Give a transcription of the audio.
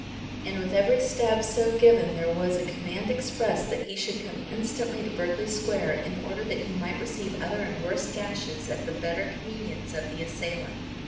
And with every stab so given there was a command expressed that he should come instantly to Berkeley Square in order that he might receive other and worse gashes at the better convenience of the assailant.